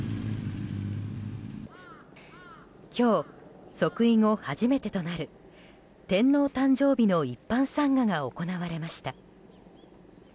今日、即位後初めてとなる天皇誕生日の一般参賀が行われました。